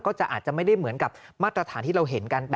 อาจจะอาจจะไม่ได้เหมือนกับมาตรฐานที่เราเห็นกัน